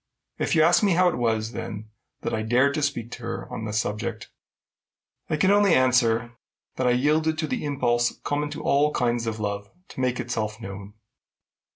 If you ask me how it was, then, that I dared to speak to her on the subject, I can only answer that I yielded to the impulse common to all kinds of love to make itself known.